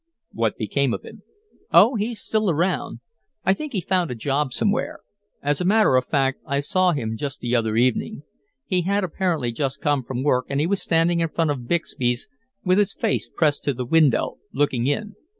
"What became of him?" "Oh, he's still around. I think he found a job somewhere. As a matter of fact, I saw him just the other evening. He had apparently just come from work and he was standing in front of Bixby's with his face pressed to the window looking in.